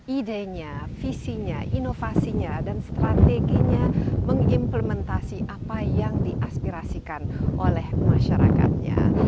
idenya visinya inovasinya dan strateginya mengimplementasi apa yang diaspirasikan oleh masyarakatnya